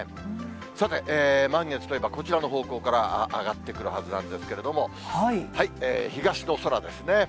さて、満月といえば、こちらの方向から上がってくるはずなんですけれども、東の空ですね。